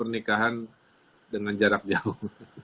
nikahan dengan jarak jauh